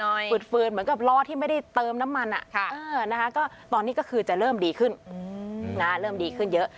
นี่ไงอะไรที่หามาได้มันก็จะไปกับพวกนี้